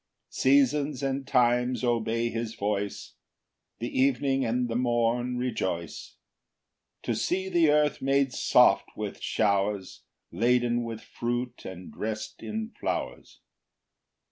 8 Seasons and times obey his voice; The evening and the morn rejoice To see the earth made soft with showers, Laden with fruit and drest in flowers.